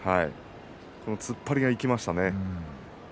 この突っ張りが生きましたね。